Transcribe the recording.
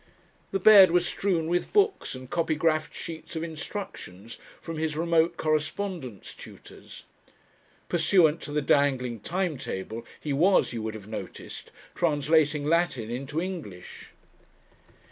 The bed was strewn with books and copygraphed sheets of instructions from his remote correspondence tutors. Pursuant to the dangling time table he was, you would have noticed, translating Latin into English.